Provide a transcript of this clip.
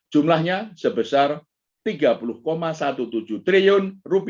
jumlahnya sebesar rp tiga puluh tujuh triliun